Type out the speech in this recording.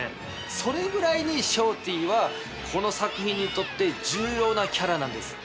それぐらいにショーティはこの作品にとって重要なキャラなんです。